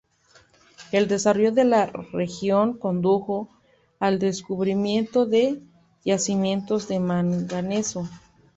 El desarrollo de la región condujo al descubrimiento de yacimientos de manganeso.